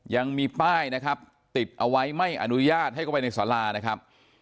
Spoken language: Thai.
ยังมีป้ายนะครับติดเอาไว้ไม่อนุญาตให้เข้าไปในสารานะครับ